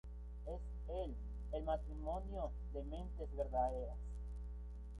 Es el ¡Matrimonio de mentes verdaderas!